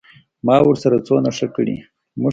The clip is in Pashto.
ما ورسره څونه ښه کړي.